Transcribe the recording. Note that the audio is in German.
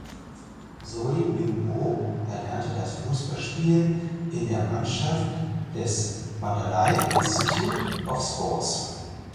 Soe Min Oo erlernte das Fußballspielen in der Mannschaft des "Mandalay Institute of Sports".